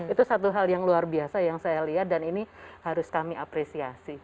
itu satu hal yang luar biasa yang saya lihat dan ini harus kami apresiasi